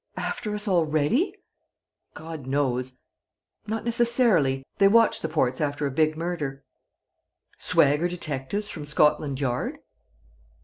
"After us already?" "God knows! Not necessarily; they watch the ports after a big murder." "Swagger detectives from Scotland Yard?"